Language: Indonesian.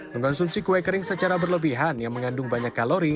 mengonsumsi kue kering secara berlebihan yang mengandung banyak kalori